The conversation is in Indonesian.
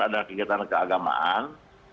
ada kegiatan keagamaan